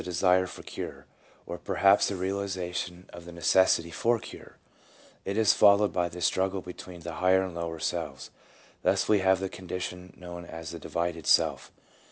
there comes the desire for cure, or perhaps the realization of the necessity for cure; it is followed by the struggle between the higher and lower selves: thus we have the condition known as the divided self.